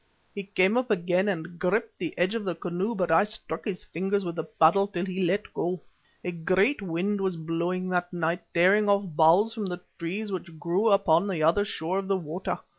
He came up again and gripped the edge of the canoe, but I struck his fingers with the paddle till he let go. A great wind was blowing that night, tearing off boughs from the trees which grew upon the other shore of the water.